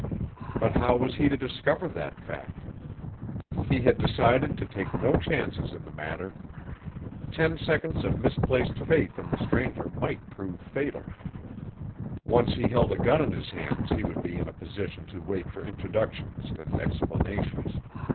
But how was he to discover that fact? He had decided to take no chances in the matter. Ten seconds of misplaced faith in the stranger might prove fatal. Once he held a gun in his hands he would be in a position to wait for introductions and explanations.